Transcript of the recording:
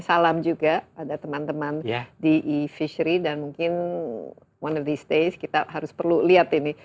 salam juga ada teman teman di e fishery dan mungkin one athies days kita harus perlu lihat ini